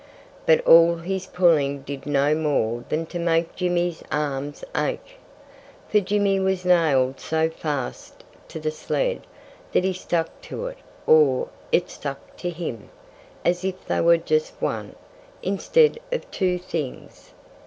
But all his pulling did no more than to make Jimmy's arms ache. For Jimmy was nailed so fast to the sled that he stuck to it or it stuck to him as if they were just one, instead of two, things.